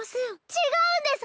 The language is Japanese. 違うんです